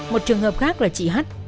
một trường hợp khác là chị h